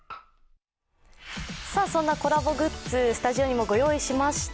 そんなコラボグッズ、スタジオにも御用意しました。